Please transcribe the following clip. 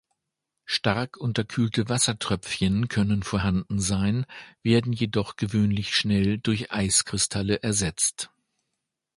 Stark unterkühlte Wassertröpfchen können vorhanden sein, werden jedoch gewöhnlich schnell durch Eiskristalle ersetzt.